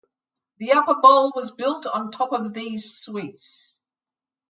The upper bowl was built on top of these suites.